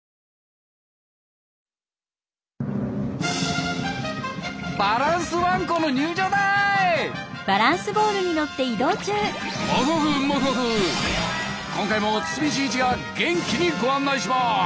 今回も堤真一が元気にご案内します！